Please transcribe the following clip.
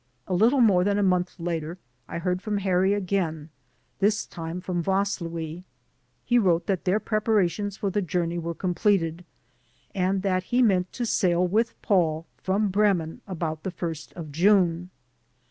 A little more than a month later I heard from Harry again, this time from Vaslui. He wrote that their preparations for the journey were completed, and that he meant to sail with Paul from Bremen about the 1st of June.